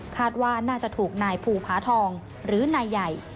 คาดว่าน่าจะถูกนายภูผาทองหรือนายใหญ่